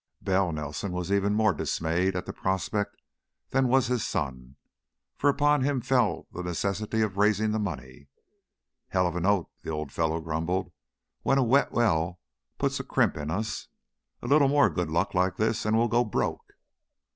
Bell Nelson was even more dismayed at the prospect than was his son, for upon him fell the necessity of raising the money. "Hell of a note," the old fellow grumbled, "when a wet well puts a crimp in us! A little more good luck like this and we'll go broke."